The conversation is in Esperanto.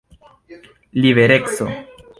libereco